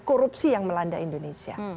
korupsi yang melanda indonesia